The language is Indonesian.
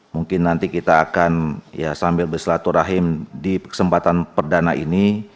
mungkin nanti kita akan ya sambil bersilaturahim di kesempatan perdana ini